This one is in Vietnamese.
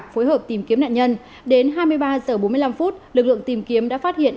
phối hợp tìm kiếm nạn nhân đến hai mươi ba h bốn mươi năm lực lượng tìm kiếm đã phát hiện